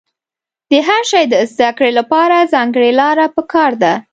د هر شي د زده کړې له پاره ځانګړې لاره په کار ده.